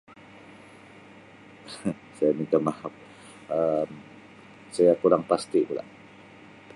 Saya minta mahap Um saya kurang pasti pula.